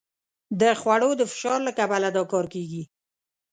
د خوړو د فشار له کبله دا کار کېږي.